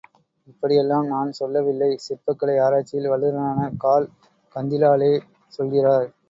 இப்படியெல்லாம் நான் சொல்லவில்லை, சிற்பக்கலை ஆராய்ச்சியில் வல்லுநரான கார்ல் கந்தீலாலே சொல்கிறார்.